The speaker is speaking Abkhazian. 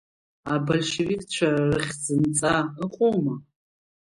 Абольшевикцәа рыхьӡынҵа ыҟоума?